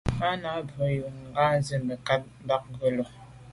À’ nâ’ bə́ mbrə̀ bú gə ́yɑ́nə́ zə̀ mə̀kát mbâ ngɑ̀ lù’ə́.